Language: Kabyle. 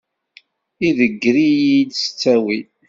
Idegger-iyi-d s ttawil.